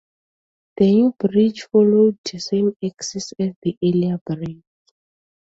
The new bridge followed the same axis as the earlier bridge.